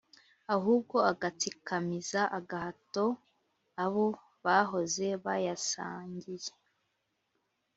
ahubwo agatsikamiza agahato abo bahoze bayasangiye